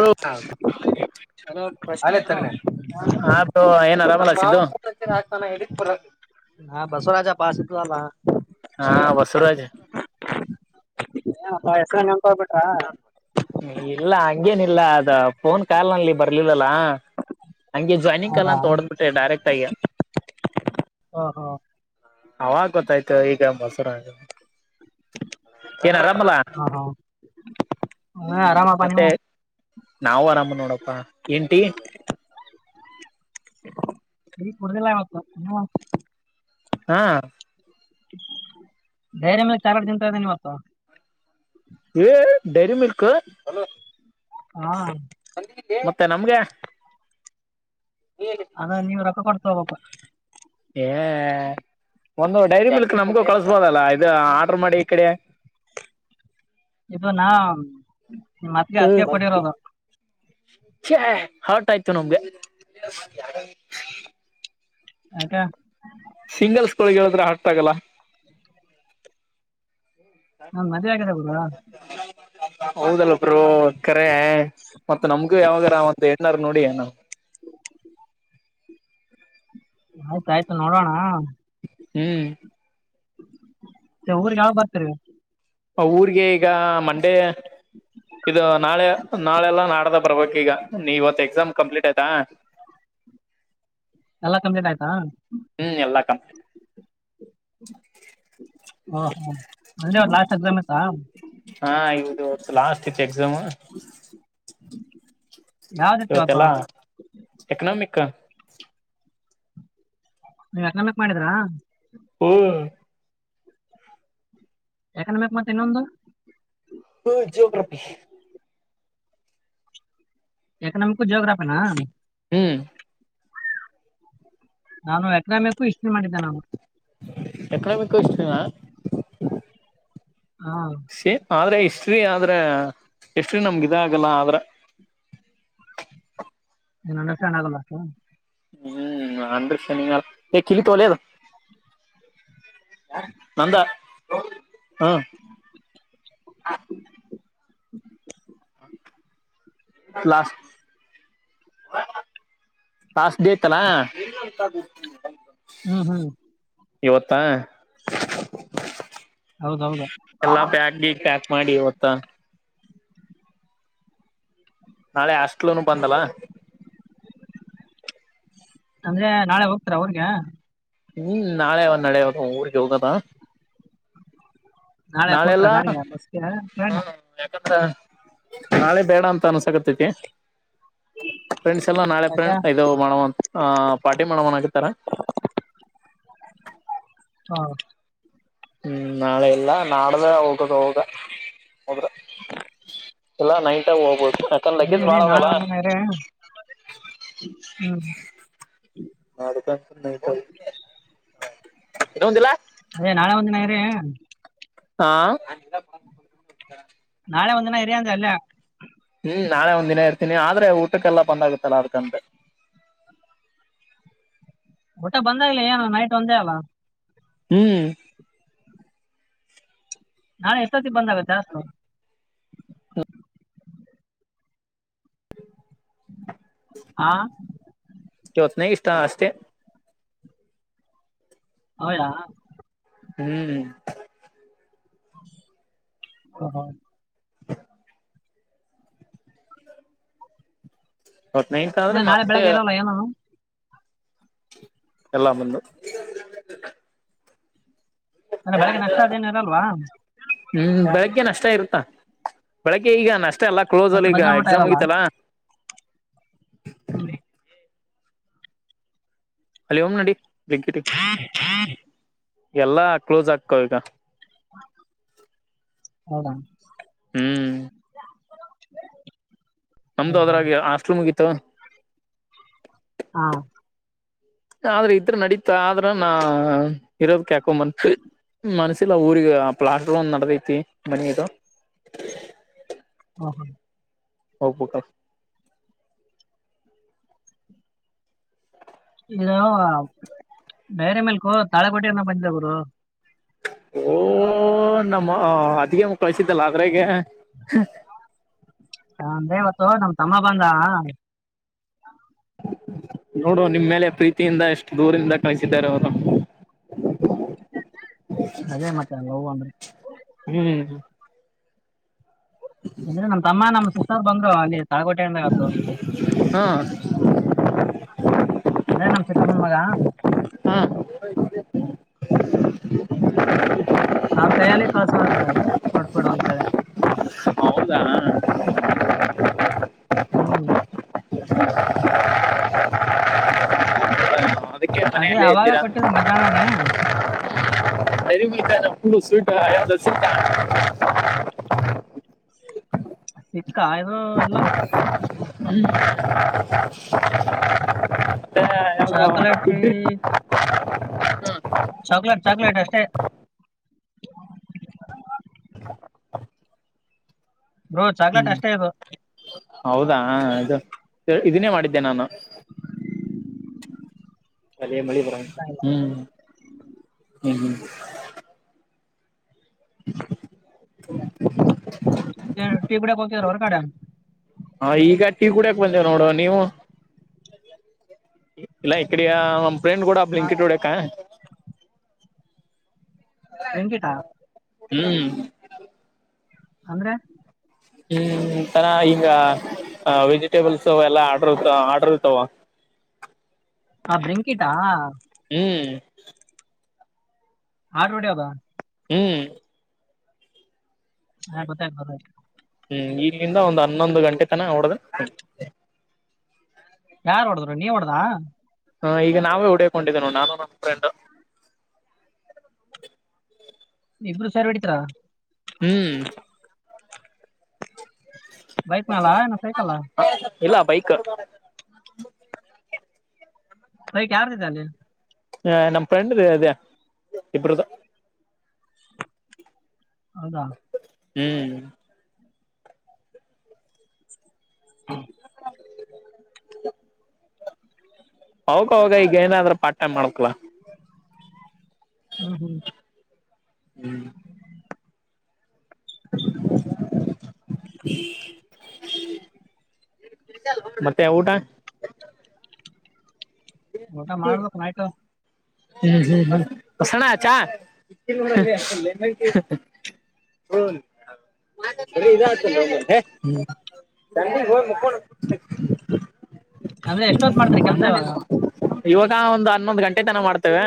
ಹ hello Prashant bro ಹ ಏನ್ರಾಮ ಹಾ ಬಸವರಾಜಾ ಪಸ ಅಲ್ಲ ಹಾ ಬಸವರಾಜ್ ಹಾ ಹೊಯಸ ಇಲ್ಲ ಹಂಗೇನಿಲ್ಲ ಅದ ಫೋನ್ ಕಾಲ್ ನಲ್ಲಿ ಬರ್ಲಿಲ್ಲ [unintelligible] ಹಂಗೆ ಜಾಯ್ನಿಂಗ್ ಅಲ್ಲ ಹೌದಾ ಅಂತ ಹೊಓಡ್ಬಿಟ್ರೆ ಡೈರೆಕ್ಟ್ ಆಯ್ಯ ಓಹೋ ಅವಾಗ ಗೊತ್ತಾಯ್ತು ಈಗ ಮೊಸರ ಏನಾರ ಹಾ ಹಾ ಹ್ಮ್ ಆರಾಮಪ್ಪ ನೀವು ಮತ್ತೆ ನಾವವು ಆರಾಮ ನೋಡಪ್ಪ ಎಏನ್ಟಿ ಇ ಕೂಡತಲ ಆತ್ತ ಹಾ ಬೇರೆ ಮೇಲೆ ಚಾರಾಡ್ ಜಂತ ಇದದೆನೆ ಇವತ್ತು ಡೈರಿ ಮಿಲ್ಕ್ ಹಾ ಮತ್ತೆ ನಮ್ಗೆ ಅದ ನೀವ ರೊಕ್ಕ ಕೊಡ್ತ ಹಬಪ್ಪ ಏ ಒಂದು ಡೈರಿ ಬಲ್ಕ್ ನಮ್ಗೂ ಕಳಸ್ಬೋದಲ್ಲ ಇದು ಆರ್ಡ್ರ ಮಾಡಿ ಈ ಕಡೆ [inaudible] ಇದು ನಾ ಮತ್ಗೆ ಹತ್ಯೆ ಕೊಡಿರೋದು ಹ ಹಾರ್ಟ ಆಯ್ತು ನಮ್ಗೆ ಆತಾ ಸಿಂಗಲ್ಸ್ಗಳಳಿ ಹೇಳದ್ರ ಹರ್ ಆಗಲ್ಲ ಹಾ ಮದ್ವೆ ಆಗಗುದುವ ಹೌದಲ್ಲಬರು ಕರೆ ಮತ್ತತ್ ನಮ್ಗೂ ಯಾವಾಗಾರ ಒಂತ ಎಣ್ಣಾರ ನೋಡಿ ಏನ [inaudible] ಆಯ್ತಾಯ್ತು ನೋಡೋಣ ಹ್ಮ್ ಸ ಊರ್ ಯಾವ ಬರ್ತರಿ ಊರ್ಗೆ ಈಗ ಮಂಡ್ಯ ಇದು ನಾಳೆ ನಾಳೆಲ್ಲಾ ನಾಡ್ದ ಬರ್ಬೇಕ ಈಗ ನೀವತ್ ಎಕ್ಸಾಮ್ ಕಂಪ್ಲೀಟ್ ಆಯ್ತಾ [inaudible] ಎಲ್ಲಾ ಕಮ್ಮಜನ್ ಆಯ್ತಾ ಹ್ಮ್ ಎಲ್ಲಾ ಕಂಪ್ಲೀಟ್ ಓಹೋ ಅಲ್ಲಿ ಅವ ಲಾಸ್ಟ್ ಎಕ್ಸಾಮ್ ಆತಾ ಹಾ ಇದು ಇತ್ತು ಲಾಸ್ಟ್ ಇತ್ತು ಎಕ್ಸಾಮ್ ಯಾವತಿ ಪಪ ಇವತ್ತೆಲ್ಲಾ ಎಕನಾಮಿಕ್ ನೀ ಯಾರ್ನಮ್ಮಕ್ ಮಾಡಿದ್ರಾ ಹ್ಮ ಯಾಕನ್ ಬ ಮತ್ತ ಇನ್ನೊಂದು ಹ್ಮ ಜಿಯೋಗ್ರಾಫಿ ಎಕನಾಮಿಕ್ ಜೋಗ್ರಾಫಿನ ಹ್ಮ್ ನಾನು ಯಕನಾಮಕು ಇಷ್ಟ ಮಾಡಿದ್ದಾನು ಎಕನಾಮಿಿಕಷ್ಟ ಹಾ ಸೇ ಆದ್ರೆ ಇಷ್ಟ್ರಿ ಆದ್ರ ಇಷ್ಟ್ರಿ ನಮ್ಗ ಆಗಲ್ಲ ಆದ್ರ ನಷ ಆಗ ಬ ಹ್ಮ್ ಅಂದ್ರಕ್ಷ ನಿ ಕಿಲಿ ತೋಲದು ನಂದ ಹಾ ಹ ಪ್ಲಸ್ ಪಸ್ ದತಲ ಹ್ಮ್ ಹ್ಮ್ ಇವತ್ತಾ ಹೌದ್ ಹೌದು ಎಲ್ಲಾ ಬ್ಯಾಗ್ಿ ಪ್ಯಾಕ್ ಮಾಡಿ ಇವತ್ತ ನಾಳೆ ಹಾಸ್ಲ್ ಬಂದಲ ಅಂದ್ರೆ ನಾಳೆ ಹೋಗ್ತಾರ ಅವ್ರಿಗೆ ಹ್ಮ್ ನಾಳೆ ನಡೆಯದ ಊರ್ರಿಗೆ ಹೋಗದಾ ನಾಳೆ ಕೊಡ್ತಾರ ನಾಳೆಲ್ಲಾ ಗಾಡಿಗೆ ಬಸ್ಗೆ ಟ್ರೈನ್ ಯ ನಾಳೆ ಬೇಡ ಅಂತ ಅನ್ಸಕತ್ತೈತಿ ಫ್ರೆಂಡ್ಸ್ ಎಲ್ಲ ನಾಳೆ ್ರ ಯಾಕೆ ಇದು ಮಾಡ ಪಾರ್ಟಿ ಮಾಡವನ್ ಹಕತಾರೆ ಹಾ ಹ್ಮ್ ನಾಳೆ ಎಲ್ಲ ನಾಡ್ದ ಹೋಗದು ಹೋಗ ಹೋದ್ರ ಎಲ್ಲಾ ನೈಟ್ಗ ಹೋಗ್ಬೇಕೋು ಯಾಕಂದ್ರೆ ಲಗೇಜ್ ಬಾಳ ಅದಲ್ಲ ಹ್ಮ ನಡುಕ ಇಲ್ಲ ಅದೇ ನಾಳೆ ಒಂದಿನ ರ ಹಾ ಅರಿಂತಲ್ಲ ಹ್ಮ್ ನಾಳೆ ಒಂದ್ ದಿನ ಇರ್ತೀನಿ ಆದ್ರೆ ಊಟಕ್ಕೆಲ್ಲ ಬಂದ್ ಆಾಗತ್ತಲ್ಲ ಅದಕಂಡೆ ಊಟ್ಟ ಬಂದ ಇಲ್ಲ ಏನು ನೈಟ್ ಒಂದೇ ಅಲ್ಲ ಹ್ಮ್ ನಾೆ ಎ ಸತಿ ಬಂದ್ ಆಾಗುತ್ತ ಜಾಸ್ ಹಾ ಇವತ್ತನೇ ಇಷ್ಟ ಅಷ್ಟೇ ಹೌದಾ ಹ್ಮ್ ಹ ಹ ಇವತ್ ನೈಟ್ ಹ ಅಂದ್ರೆ ನಾಳೆ ಬೆಳಿಗ್ಗೆ ಇರಲ್ಲ ಏನಾನನು ಎಲ್ಲ ಮುಂದು ಅಂದ್ರೆ ಬೆಳಗ್ಗೆ ನಷ್ಟ ಅದೇನು ಇರಲ್ವಾ ಹ್ಮ್ ಬೆಳಗ್ಗೆ ನಷ್ಟ ಇರುತ್ತಾ ಬೆಳಗ್ಗೆ ಈಗ ಅಷ್ಟೇ ಎಲ್ಲಾ ಕ್ಲೋಸ್ ಮತ್ತೆ ಅಲ್ಲಿ ಈಗ ಮಧ್ಯಾಹ್ನ ಊಟ ಎಕ್ಸಾಮ್ ಇರಲ್ಲ ಐತಲ್ಲಾ ಹ್ಮ್ ಅಲ್ಲಿ ಓಂ ನಡಿ ಬೆಂಕಿಟ ಎಲ್ಲಾ ಕ್ಲೋಸ್ ಆಗ್ಕ ಈಗ ಹೌದಾ ಹ್ಮ್ ನಮ್ದು ಹ್ಮ್ ಅದ್ರಾಗ ಆಾಸ್್ರೂಮ್ಗಿತ್ತು ಹಾ ಆದ್ರೆ ಇದ್ರ ನಡೀತ ಆದ್ರ ನಾ ಇರೋದ ಕ್ಯಾಕೊಂಬಂತು ಮನ್ಸ ಇಲ್ಲ ಊರಿಗೆ ಪ್ಲಾಸ್ಟರ್ ಒಂದು್ ನಡದೈತಿ ಮನದು ಹಾ [unintelligible] ನಾವು ಡೈರ ಮಿಲ್ಕು ತಾಳಿಕೋಟಿ ಇಂದ ಬಡಿದೆವ ಗುರು. ಹೋ ಒಹ್ ನಮ್ಮ.. ಅತ್ತಿಗೆಮ್ಮ ಕಳಸಿದ್ದಲ್ಲ ಆದ್ರಗೆ ಹಾ ಅಂದೆ ಇವತ್ತು ನಮ್ ತಮ್ಮ ಬಂದಾ ನೋಡು ನಿಮ್ಮೇಲೆ ಪ್ರೀತಿಯಿಂದ ಎಷ್ಟ್ ದೂರಿಂದ ಕಳ್ಸಿದ್ದಾರೆ ಅವ್ರು ಅದೇ ಮತ್ತೆ ಲವ್ ಅಂದ್ರೆ ಹ್ಮ್ ಅಂದ್ರೆ ನಮ್ ತಮ್ಮ, ನಮ್ ಸಿಸ್ಟರ್ ಬಂದ್ರು ಅಲ್ಲಿ ತಾಳ್ಕೋಟೆ ಇಂದ ಇವತ್ತು. ಹಾ ಅಂದ್ರೆ ನಮ್ ಚಿಕ್ಕಮ್ಮನ್ ಮಗ [unintelligible] ಅವ್ರ್ ಕೈಯಲ್ಲಿ ಕಳ್ಸವ್ರೆ ಕೊಟ್ಬಾರೋ ಅಂತೇಳಿ ಹೌದಾ ಹ್ಮ್ ಅದೇ ಮನೆಯಲ್ಲಿ ಅವಾಗ ಇದ್ದಿರ ಕೊಟ್ಟಿದ್ರು ಮಧ್ಯಾಹ್ನನೇ [unintelligible] ಅಸಿ ಕಯ್ಗ್ಳು ಇಲ್ಲ ಹ್ಮ ಚಾಕಲೇಟೀ ಚಾಕ್ಲೇಟ್ ಚಾಕ್ಲೇಟ್ ಅಷ್ಟೇ ಬ್ರೊ ಚಾಕ್ಲೆಟ್ ಹ್ಮ್ ಅಷ್ಟೇ ಇದು ಹೌದಾ ಇದು, ಇದನ್ನೇ ಮಾಡಿದ್ದೆ ನಾನು ಮಾಡಿದ್ರ, ಹ್ಮ್ ಹ್ಮ ಹ್ಮ ಹ್ಮ್ ಟೀ ಕುಡಿಯಕ್ ಹೋಗಿದ್ರಾ ಹೊರ್ಗಡೆ ಹಾ ಈಗ ಟೀ ಕುಡಿಯಕ್ ಬಂದಿವ್ ನೋಡು, ನೀವು ಎ ಇಲ್ಲ ಇಕ್ಕಡಯಾ ಪ್ಲೇನಗೋಡ ಬ್ಲಿಕೇಟ್ ಹೊಡಿಯಕ ಬ್ಲಿಂಕಿಟ್ಟಾ ಹ್ಮು ಅಂದ್ರೆ ಹ್ಮ್ ತರ ಈಗ ಅ ವೆಜಿಟೇಬಲ್ಸು ಎಲ್ಲಾ ಆಡ್ರ್ ಇ ಆರ್ಡರ್ ಇರ್ತಾವ ಹ ಬ್ಲಿಂಕಿಟಾ ಹ್ಮು ಆರ್ಡರ್ ಹೊಡಿಯೋದ ಹ್ಮ ಹಾ ಗೊತ್ತಾಯ್ತ್ ಬಿಡ್ರಿ ಹ್ಮ್ ಇಲ್ಲಿಂದ ಒಂದ್ ಹನ್ನೊಂದ್ ಗಂಟೆ ತನ ಹೊಡ್ದೆ ಯಾರ್ ಹೊಡ್ದ್ರು, ನೀ ಹೊಡ್ದಾ ಹಾ ಈಗ ನಾವೇ ಹೊಡಿಯಕ್ ಒಂಟಿದ್ದೆ ನೋಡು ನಾನು ನಮ್ ಫ್ರೆಂಡ್ ಇಬ್ರು ಸೇರ್ ಹೊಡೀತೀರಾ ಹ್ಮ್ ಬೈಕ್ ಮೇಲಾ ಇಲ್ಲಾ ಸೈಕಲಾ ಇಲ್ಲ ಬೈಕ್ ಬೈಕ್ ಯಾರ್ದ್ ಇದೆ ಅಲ್ಲಿ ಏ ನಮ್ಮ್ ಫ್ರೆಂಡ್ದೆ ಇದೆೇ ಇಬ್ರ್ದು ಹೌದಾ ಹ್ಮ ಹೌ ಹೌಕವಗ ಈಗ ಏನಾದ್ರೂ ಪಾರ್ಟ್ ಟೈಮ್ ಮಾಡ್ಬೇಕಲ ಹ್ಮ್ ಹ್ಮ್ ಹ್ಮ್ ಮತ್ತೆ ಊಟ ಊಟ ಮಾಡ್ಬೇಕು ನಾಯ್ತು ಹ್ಮ್ ಹ್ಮ್ ಹ್ಮ ಸಣ ಚ ಹ ಅ ಇದ ಹ ಅಂದ್ರೆ ಎಷ್ಟೋತ್ ಮಾಡ್ತಾರೆ ಕೆಲ್ಸ ಇವಾಗ ಇವಾಗ ಒಂದು್ ಹನ್ನೊಂದು್ ಗಂಟೆ ತನ ಮಾಡ್ತೇವೆ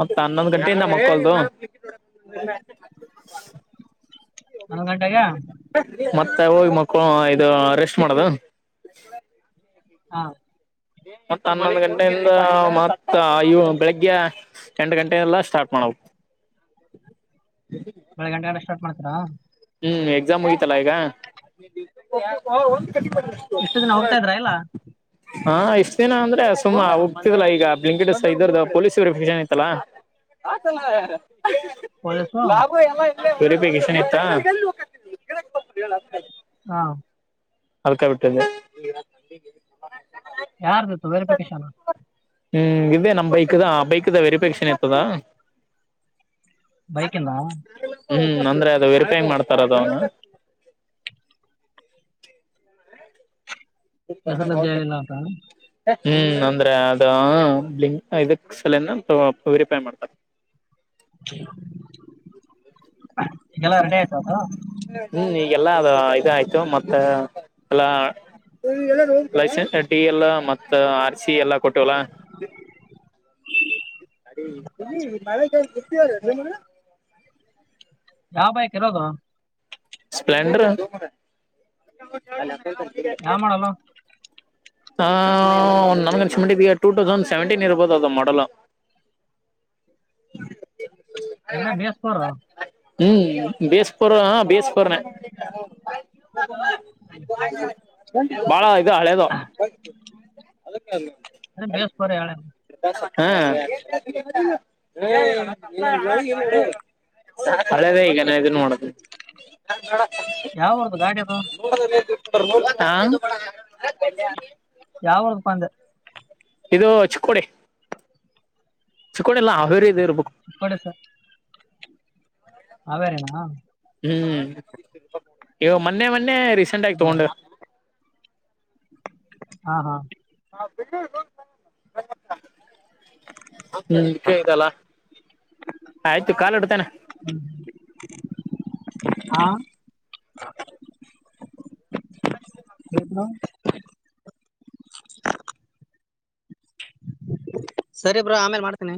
ಮತ್ತ ಹನ್ನೊಂದ್ ಗಂಟೆಯಿಂದ ಮಕ್ಕೊದು ಅಂದು ಗಂಟಾಗ ಮ ಹೋಗಿ ಮಕ್ಕಳ ಇದು ರೆಸ್ಟ್ ಮಾಡದು ಹಾ ಮತ್ತತ್ ಹನ್ನೊ ಗಂಟೆಯಿಂದ ಮತ್ ಅವು ಬೆಳಿಗ್ಗೆ ಎಂಟು ಗಂಟೆ ಎಲ್ಲ ಸ್ಟಾರ್ಟ್ ಮಾಡು ಬೆಳಗ್ ಗಂಟೆ ಎಲ್ಲ ಸ್ಟಾರ್ಟ್ತಾರಾ ಹ್ಮ್ ಎಕ್ಸಾಮ್ ಹಯತಲ್ಲಾ ಈಗ ಹಾ ಒಂದ್ ಕಟಿ ಬಂದು ಇಷ್ಟು ದಿನ ನೂರ ಹೋಗ್ತಾ ರೂ ಇದ್ರಾ ಇಲ್ಲ ಹಾ ಇಷ್ಟ್ ದಿನ ಅಂದ್ರೆ ಸುಮ ಹೋಗ್ತಿದಲ್ಲಾ ಈಗ ಬ್ಂಕ ಇದದ್ದ ಪೊಲೀಸ್ ವೆರಿಫಿಕೇಶನ್ ಇಐತ್ತಲ್ಲಾ ಹ ಚನ್ನ ಯಾರ ಕಾಲಜವ ವೇರಿಪಿಕೇಶನ್ ಇತ್ತಾ ಹಾ ಆಳ್ಕ ಬಿಟ್ಟದೆ ಯಾರ್ದತ್ತು ವೇರಿಪಿಕೇಶನ್ ಹ್ಮ್ ಇದದೆ ನಮ್ಮ್ ಬೈಕ್ದ ಆ ಬೈಕ್ ದ ವೆರಿಫೇಶನ್ ಇತದ ಬೈಕ್ನ್ನ ಅಂದ್ರೆ ಅದು ವೆರಿಫೈ ಹಂಗ್ ಮಾಡ್ತಾರ ಅದ ಅವನು ಬ ಹೆಸರಲ್ಲದ್ದು ಪಸಂದ ಇಲ್ಲ ಅಂತ ಹ ಹ್ಮ್ ಅಂದ್ರೆ ಅದ ಇದಕ್ ಸಲನ ವರಿಪಾಯ ಮಾಡ್ತಾರೆ ಹ ಹ್ಮ್ ಈಗೆಲ್ಲ ಅದ ಇದ ಆಯ್ತು ಮತ್ತ ಅಲ್ಲ ಲಸೆನ್ ಟಡಿ ಎಲ್ಲ ಮ ಆ ಸಿ ಎಲ್ಲಾ ಕೊಟ್ಟವಲ ಅ ಮಳೆರ್ತ ನಿ ಯಾವ ಬೈಕ್ ಇರೋದು ಸ್ಪಲೆಂಡರ್ ಯಾ ಮಾಡಲ್ಲ ಆ ಒ್ ನಂ ಚಿದ ಟೂ ತೌಸಂಡ್ ಸೆವೆಂಟೀನ್ ಇರ್ಬೋದು ಅದು ಮಾಡೋಲ್ ಅಂದ್ರೆ ಬೇಸ್ತರ ಹ್ಮ್ ಬೇಷ ಪರ ಬೇ ಬಾಳ ಆಯ್ ಇ ಹಳೆದ ಅಂದ್ರೆ ಬೇಸ್ ಫೋರ್ ಹೇಳಿ ಹಾ ಹಳೆದ ಈಗ ಇದನ್ ನೋಡುದು ಯಾವ ಊರ್ದು ಗಾಡಿ ಅದು ಾ ಯಾವರ್ದ ಬಂದೆ ಇದು ಚಿಕ್ಕೋಡಿ ಚಿಕ್ಕೋಡಿ ಎಲ್ಲ ಅವೇರಿ ಇ ಕಡೆ ಸರ್ ಹೇಾರೇನಾ ಹ್ಮ್ ಇವ ಮೊನ್ನೆ ಮೊನ್ನೆ ರೀಸೆಂಟ್ ಆಗಿ ಓ ತಗೊಂಡ ಹಾ ಹಾ ಹಾ ಬ ಹ್ಮ ಕ ಇದಲ್ಲ ಆಯ್ತು ಕಾಲಿಡ್ತೇನೆ ಹ್ಮ ಹಾ ಇದು ಸರಿ ಬ್ರಾ ಆಮೇಲ್ ಮಾಡ್ತೇನಿ